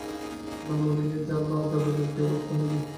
না মরিলেই বা যাদবের কী অবস্থা হইবে?